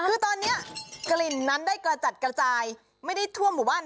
คือตอนนี้กลิ่นนั้นได้กระจัดกระจายไม่ได้ทั่วหมู่บ้าน